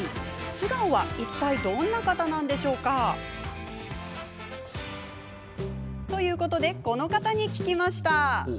素顔はいったいどんな方なんでしょうか？ということでこの方に聞きました。